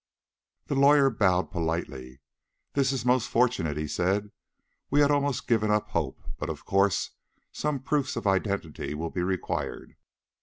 The lawyer bowed politely. "This is most fortunate," he said; "we had almost given up hope—but, of course, some proofs of identity will be required."